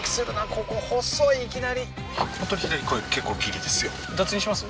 ここ細いいきなり本当に左これ結構ギリですよ脱輪します？